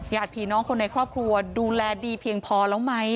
ผีน้องคนในครอบครัวดูแลดีเพียงพอแล้วไหม